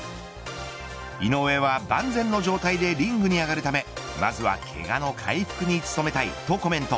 井上は、万全の状態でリングに上がるためまずはけがの回復に努めたいとコメント。